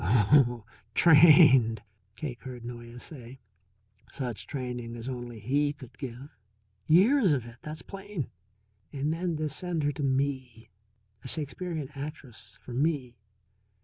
"Oh, trained," Cake heard Noyes say. "Such training as only he could give. Years of it, that's plain. And then to send her to me. A Shakespearean actress for me!